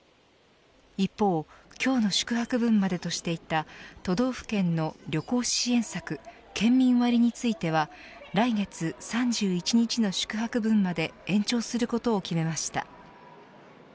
一方今日の宿泊分までとしていた都道府県の旅行支援策県民割については来月３１日の宿泊分まで延長することを決めました。